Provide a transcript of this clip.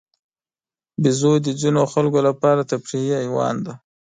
بیزو د ځینو خلکو لپاره تفریحي حیوان دی.